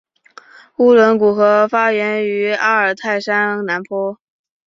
乌伦古河发源于阿尔泰山南坡。